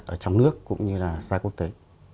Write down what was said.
ở trong nước cũng như là xa quốc tế